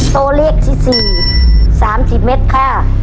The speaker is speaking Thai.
ตัวเลขที่๔๓๐เมตรค่ะ